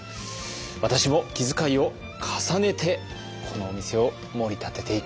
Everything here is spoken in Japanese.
私も気遣いを重ねてこのお店をもり立てていこう！